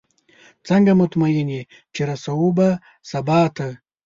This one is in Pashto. څنګه مطمئنه یې چې رسو به سباته؟